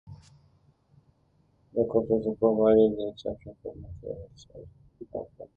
The court also provided for an exception for materials of artistic merit.